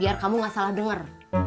biar kamu gak salah dengar